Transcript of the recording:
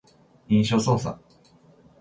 印象操作